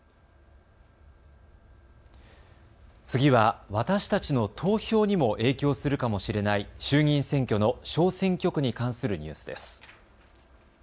次は私たちの投票にも影響するかもしれない衆議院選挙の小選挙区に関するニュースです。